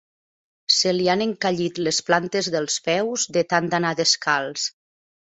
Se li han encallit les plantes dels peus de tant d'anar descalç.